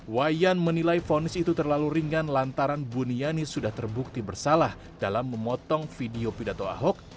wayan menilai fonis itu terlalu ringan lantaran buniani sudah terbukti bersalah dalam memotong video pidato ahok